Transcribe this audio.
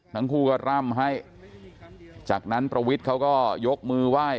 ทั้งคู่ก็ร่ำให้จากนั้นประวิทย์เขาก็ยกมือไหว้